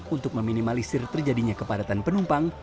untuk meminimalisir terjadinya kepadatan penumpang